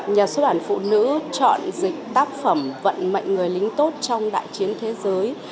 nhà xuất bản phụ nữ chọn dịch tác phẩm vận mệnh người lính tốt trong đại chiến thế giới